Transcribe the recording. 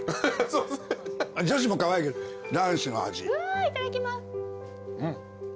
うわいただきます。